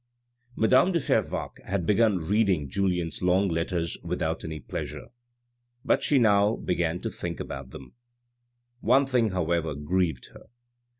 Madame de Fervaques had begun reading Julien's long letters without any pleasure, but she now began to think about them ; one thing, however, grieved her.